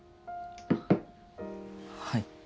はい。